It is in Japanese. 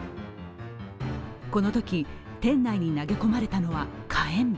このとき店内に投げ込まれたのは火炎瓶。